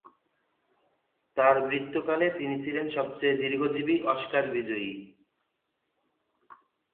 তার মৃত্যুকালে তিনি ছিলেন সবচেয়ে দীর্ঘজীবী অস্কার বিজয়ী।